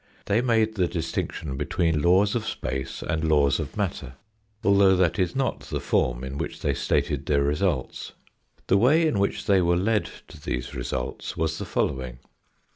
They made the distinction between laws of space and laws of matter, 56 THE FOURTH DIMENSION although that is not the form in which they stated their results. The way in which they were led to these results was the following.